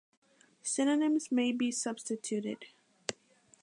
Synonyms may be substituted.